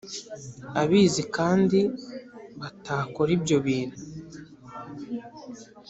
abizi kandi batakora ibyo bintu: